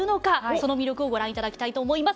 その魅力をご覧頂きたいと思います。